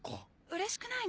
うれしい。